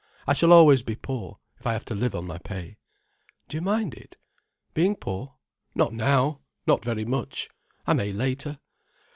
I shall always be poor, if I have to live on my pay." "Do you mind it?" "Being poor? Not now—not very much. I may later.